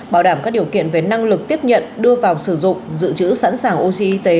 bảo đảm các điều kiện về năng lực tiếp nhận đưa vào sử dụng giữ chữ sẵn sàng oxy y tế